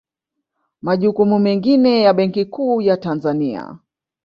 Majukumu mengine ya Benki Kuu ya Tanzania